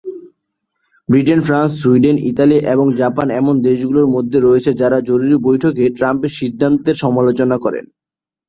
Britain, France, Sweden, Italy এবং Japan এমন দেশগুলোর মধ্যে রয়েছে যারা জরুরি বৈঠকে ট্রাম্পের সিদ্ধান্তের সমালোচনা করে।